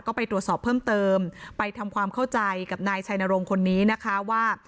ก็ไปตรวจสอบเพิ่มเติมไปทำความเข้าใจกับนายชัยนรงค์คนนี้นะคะว่า